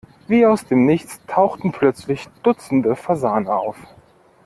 Wie aus dem Nichts tauchten plötzlich dutzende Fasane auf.